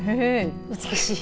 美しい。